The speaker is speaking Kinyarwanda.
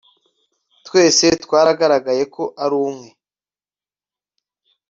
Twese twaragaragaye ko ari umwere